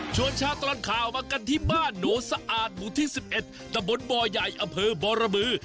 ชวนชาติตลอดข่าวมากันที่บ้านโหนสะอาดหมู่ที่๑๑ตะบนบ่อย่ายอเภอบรมบือ